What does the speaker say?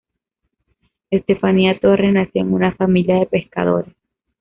Estefanía Torres nació en una familia de pescadores.